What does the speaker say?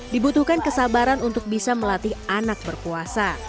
dibutuhkan kesabaran untuk bisa melatih anak berpuasa